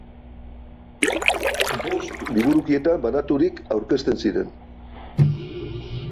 Bost liburukietan banaturik aurkezten ziren.